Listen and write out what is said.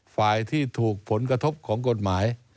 ฝ่ายที่ถูกผลกระทบของกฎหมาย